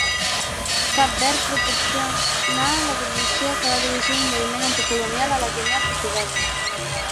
Cap Verd proporcionà la burgesia que va dirigir el moviment anticolonial a la Guinea portuguesa.